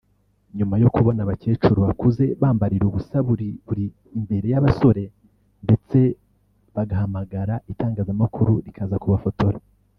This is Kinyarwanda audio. nyuma yo kubona abakecuru bakuze bambarira ubusa buri buri imbere y’abasore ndetse bagahamagara itangazamakuru rikaza kubafotora